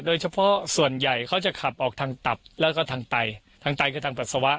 โดยเฉพาะส่วนใหญ่เขาจะขับออกทางตับแล้วก็ทางไตทางไตคือทางปัสสาวะ